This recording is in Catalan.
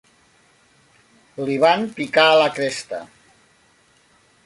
Li van picar la cresta.